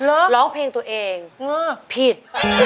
ร้องเพลงตัวเองผิด